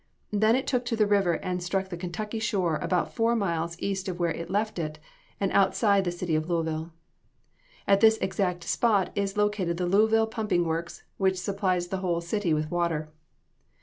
Then it took to the river and struck the Kentucky shore about four miles east of where it left it, and outside of the city of Louisville. At this exact spot is located the Louisville pumping works, which supplies the whole city with water.